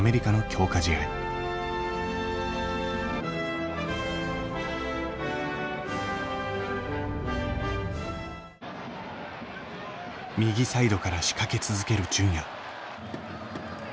右サイドから仕掛け続ける純也。